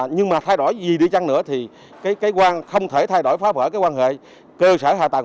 nhưng mà thay đổi gì đi chăng nữa thì cái quan không thể thay đổi phá vỡ cái quan hệ cơ sở hạ tầng